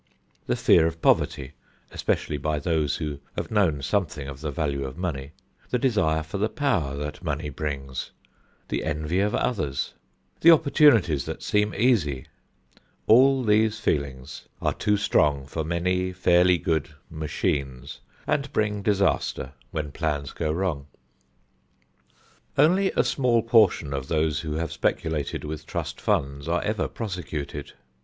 The fear of poverty, especially by those who have known something of the value of money, the desire for the power that money brings, the envy of others, the opportunities that seem easy, all these feelings are too strong for many fairly good "machines," and bring disaster when plans go wrong. Only a small portion of those who have speculated with trust funds are ever prosecuted.